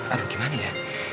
aduh gimana ya